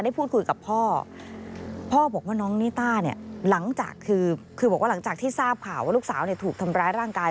พูดคุยกับพ่อพ่อบอกว่าน้องนิต้าเนี่ยหลังจากคือบอกว่าหลังจากที่ทราบข่าวว่าลูกสาวเนี่ยถูกทำร้ายร่างกาย